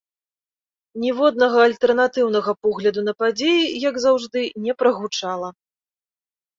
Ніводнага альтэрнатыўнага погляду на падзеі, як заўжды, не прагучала.